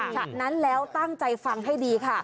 ฉะนั้นแล้วตั้งใจฟังให้ดีค่ะ